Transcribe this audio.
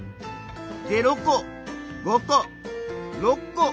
０個５個６個。